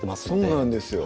そうなんですよ